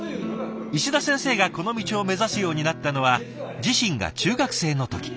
石田先生がこの道を目指すようになったのは自身が中学生の時。